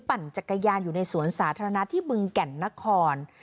ปั่นจักรยานอยู่ในสวนสาธารณะที่บึงแก่นนคร